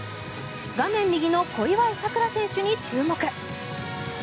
画面右の小祝さくら選手に注目。